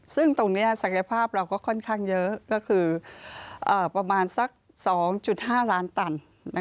ซึ่งตรงนี้ศักยภาพเราก็ค่อนข้างเยอะก็คือประมาณสัก๒๕ล้านตัน